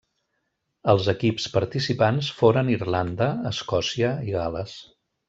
Els equips participants foren Irlanda, Escòcia, i Gal·les.